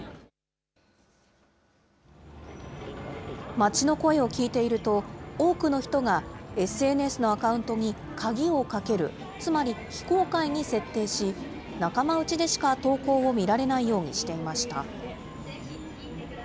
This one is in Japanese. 街の声を聞いていると、多くの人がＳＮＳのアカウントに鍵をかける、つまり非公開に設定し、仲間内でしか投稿を見られないようにしていました。